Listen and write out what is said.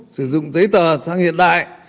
sử dụng giấy tờ sang hiện đại